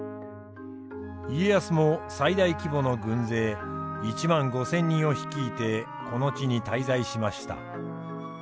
家康も最大規模の軍勢１万５，０００人を率いてこの地に滞在しました。